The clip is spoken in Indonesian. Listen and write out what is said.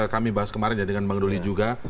kami bahas kemarin ya dengan bang doli juga